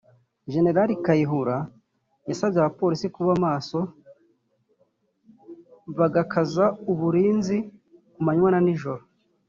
Gen Kayihura yasabye Abapolisi kuba maso bagakaza uburinzi ku manywa na nijoro